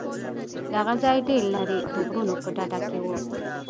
دغه ځاى ډېر لرې د غرونو په ډډه کښې و.